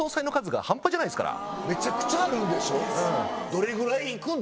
めちゃくちゃあるんでしょ？